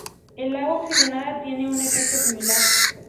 El agua oxigenada tiene un efecto similar.